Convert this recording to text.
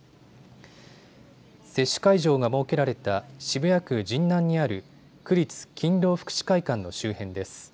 接種会場が設けられた渋谷区神南にある区立勤労福祉会館の周辺です。